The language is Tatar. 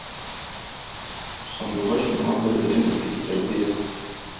Сандугач моңа бер бөтен ипи китереп бирә.